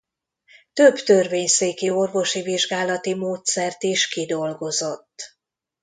Több törvényszéki orvosi vizsgálati módszert is kidolgozott.